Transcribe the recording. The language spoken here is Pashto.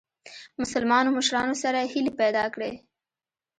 مسلمانو مشرانو سره هیلي پیدا کړې.